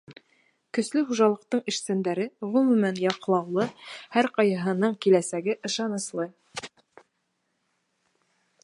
Көслө хужалыҡтың эшсәндәре, ғөмүмән, яҡлаулы, һәр ҡайһыһының киләсәге ышаныслы.